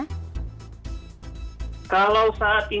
kalau saat ini upah minimum di indonesia itu berapa sih